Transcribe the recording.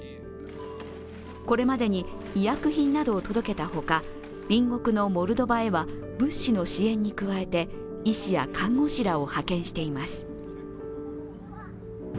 これまでに医薬品などを届けたほか、隣国のモルドバへは物資の支援に加えて医師や看護師らを派遣しています。